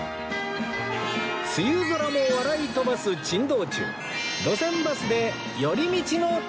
梅雨空も笑い飛ばす珍道中